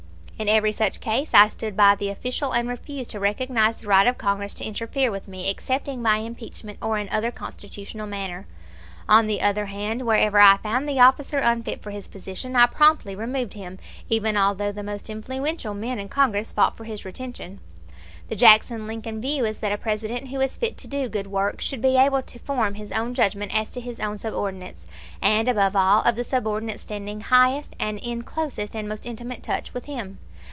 In every such case I stood by the official and refused to recognize the right of Congress to interfere with me excepting by impeachment or in other Constitutional manner. On the other hand, wherever I found the officer unfit for his position I promptly removed him, even although the most influential men in Congress fought for his retention. The Jackson Lincoln view is that a President who is fit to do good work should be able to form his own judgment as to his own subordinates, and, above all, of the subordinates standing highest and in closest and most intimate touch with him.